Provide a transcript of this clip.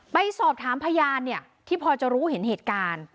ไปสอบถามพยานที่พอจะรู้เห็นเหตุการณ์